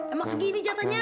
emang segini jatahnya